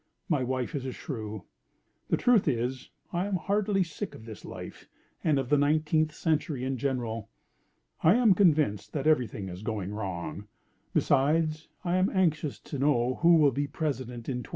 My wife is a shrew. The truth is, I am heartily sick of this life and of the nineteenth century in general. I am convinced that every thing is going wrong. Besides, I am anxious to know who will be President in 2045.